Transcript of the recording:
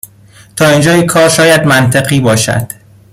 تا اینجای کار شاید منطقی باشد